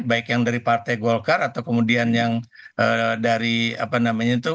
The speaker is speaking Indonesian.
baik yang dari partai golkar atau kemudian yang dari apa namanya itu